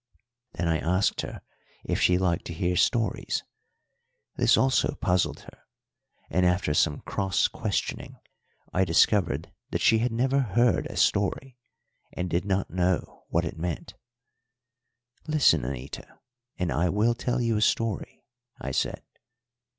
Then I asked her if she liked to hear stories; this also puzzled her, and after some cross questioning I discovered that she had never heard a story, and did not know what it meant. "Listen, Anita, and I will tell you a story," I said.